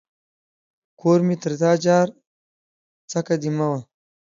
کور مې تر تا جار ، څکه دي مه وه.